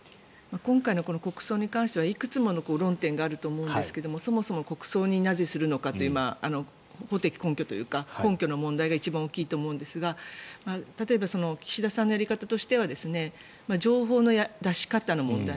今回の国葬に関してはいくつもの論点があると思うんですがそもそも国葬になぜするのかという法的根拠というか根拠の問題が一番大きいと思うんですが例えば岸田さんのやり方としては情報の出し方の問題